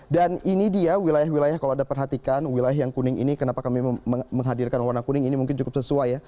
dan ini dia wilayah wilayah kalau anda perhatikan wilayah yang kuning ini kenapa kami menghadirkan warna kuning ini mungkin cukup sesuai